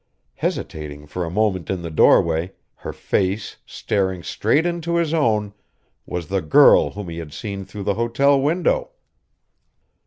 Hesitating for a moment in the doorway, her face staring straight into his own, was the girl whom he had seen through the hotel window!